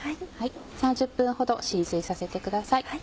３０分ほど浸水させてください。